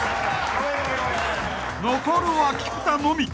［残るは菊田のみ。